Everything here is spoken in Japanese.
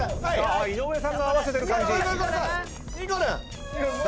井上さんが合わせてる感じ。にこるん！